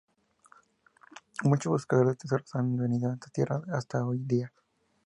Muchos buscadores de tesoros han venido a esta tierra hasta hoy día.